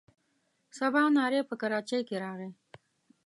سباناری په کراچۍ کې راغی.